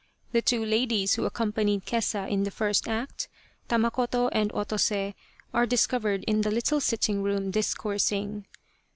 The two ladies who accompanied Kesa in the first Act, Tamakoto and Otose, are discovered in the little sitting room dis coursing.